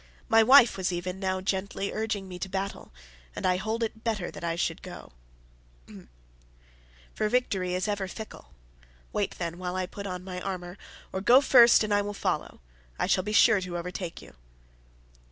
My wife was even now gently urging me to battle, and I hold it better that I should go, for victory is ever fickle. Wait, then, while I put on my armour, or go first and I will follow. I shall be sure to overtake you."